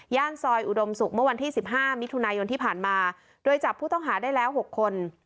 ซอยอุดมศุกร์เมื่อวันที่๑๕มิถุนายนที่ผ่านมาโดยจับผู้ต้องหาได้แล้ว๖คน